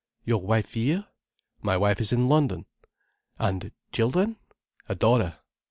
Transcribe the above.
"Your wife here?" "My wife is in London." "And children—?" "A daughter."